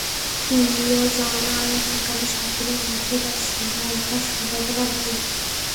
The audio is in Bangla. ফিজিও জানালেন, আগামী সাত দিনের মধ্যে তার সেরা ওঠার সম্ভাবনা নেই।